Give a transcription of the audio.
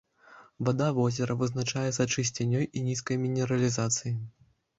Вада возера вызначаецца чысцінёй і нізкай мінералізацыяй.